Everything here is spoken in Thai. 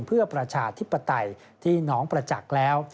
เพื่อประชาธิปไตยที่น้องประจักษ์แล้ว